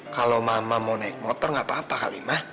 kalau mama mau naik motor nggak apa apa kalimah